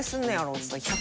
っつったら。